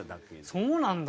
そうなんだ。